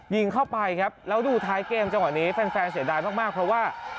ยิงเข้าไปครับแล้วดูท้ายเกมจังหวะนี้แฟนเสียดายมากเพราะว่า